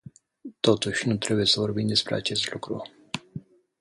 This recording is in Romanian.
Totuși, nu trebuie să vorbim despre acest lucru.